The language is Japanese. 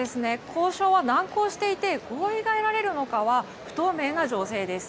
交渉は難航していて合意が得られるのかは不透明な情勢です。